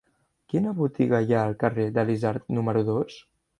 Quina botiga hi ha al carrer de l'Isard número dos?